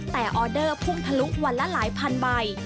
แต่ออเดอร์พุ่งทะลุวันละหลายพันใบ